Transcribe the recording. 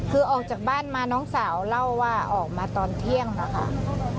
คือออกจากบ้านมาน้องสาวเล่าว่าออกมาตอนเที่ยงนะคะ